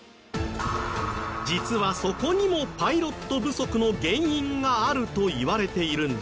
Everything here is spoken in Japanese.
実はそこにもパイロット不足の原因があるといわれているんです。